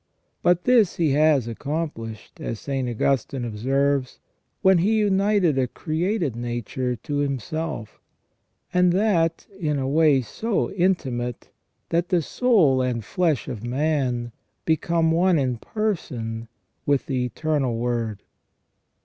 But this He has accomplished, as St. Augustine observes, when He united a created nature to Himself, and that in a way so intimate that the soul and flesh of man became one in person with the Eternal Word.